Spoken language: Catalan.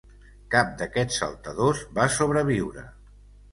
Cap d'aquests saltadors va sobreviure.